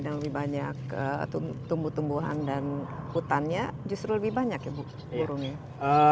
dan lebih banyak tumbuh tumbuhan dan hutannya justru lebih banyak ya burungnya